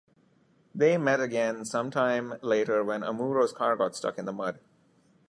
They met again sometime later when Amuro's car got stuck in the mud.